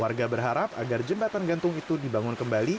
warga berharap agar jembatan gantung itu dibangun kembali